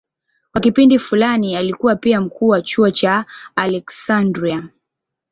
Kwa kipindi fulani alikuwa pia mkuu wa chuo cha Aleksandria.